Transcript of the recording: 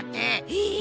へえ。